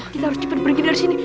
kita harus cepat pergi dari sini